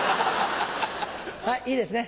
はいいいですね？